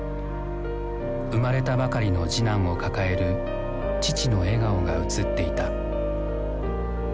生まれたばかりの次男を抱える父の笑顔がうつっていた。